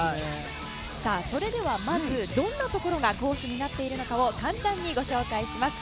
それではまずどんなところがコースになっているのかを簡単にご紹介します。